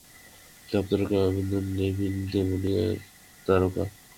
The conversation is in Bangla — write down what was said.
পপ তারকা অ্যাভ্রিল লেভিন তেমনই এক তারকা।